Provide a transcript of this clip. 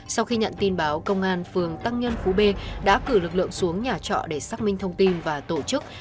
sau khi nhận tin báo công an phường tăng nhân phú b đã cử lực lượng xuống nhà trọ để xác minh thông tin và tổ chức